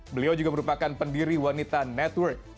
beliau juga merupakan pendiri wanita network